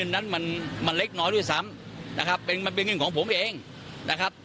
นั้นมันเล็กน้อยด้วยซ้ำนะครับเป็นมันเป็นเงินของผมเองนะครับ